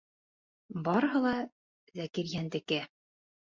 Барыһы ла Зәкирйәндеке!